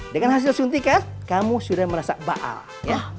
dengan hasil suntikan kamu sudah merasa baal ya